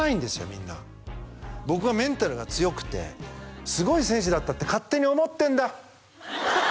みんなは僕はメンタルが強くてすごい選手だったって勝手に思ってんだ！